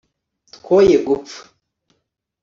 twoye gupfa